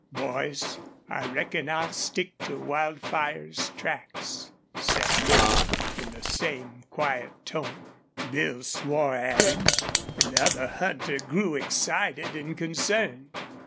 "Boys, I reckon I'll stick to Wildfire's tracks," said Lin, in the same quiet tone. Bill swore at him, and the other hunter grew excited and concerned.